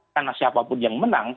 karena siapapun yang menang